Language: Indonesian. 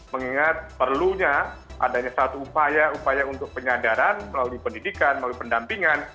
mengingat perlunya adanya satu upaya upaya untuk penyadaran melalui pendidikan melalui pendampingan